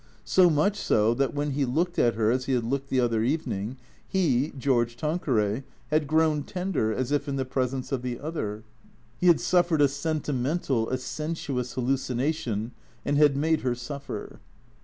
So much so that, when he looked at her as he had looked the other evening, he, George Tan queray, had grown tender as if in the presence of the other. He had suffered a sentimental, a sensuous hallucination, and had made her suffer.